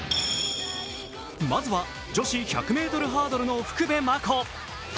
まずは、女子１００ｍハードルの福部真子。